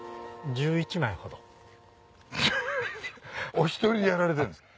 お１人でやられてるんですか？